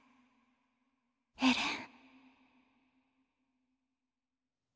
エレン。